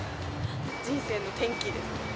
人生の転機です。